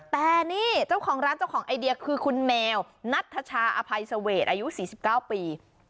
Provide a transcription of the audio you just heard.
แต่นี่ร้านเจ้าของไอเดียคือคุณแมวนัทชาอภัยเสวร์อายุ๔๙ปี